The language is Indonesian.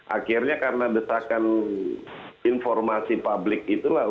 akhirnya karena desakan informasi publik itulah